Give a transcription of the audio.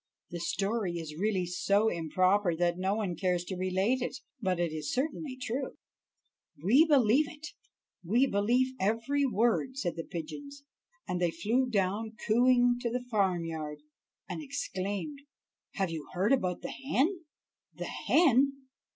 The story is really so improper that no one cares to relate it, but it is certainly true." "We believe it, we believe every word," said the pigeons, and they flew down cooing to the farm yard, and exclaimed: "Have you heard about the hen?" "The hen!